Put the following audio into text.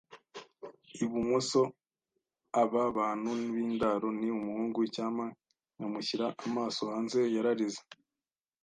ibumoso. ” “Aba bantu b'indaro - ni umuhungu. Icyampa nkamushyira amaso hanze! ” yararize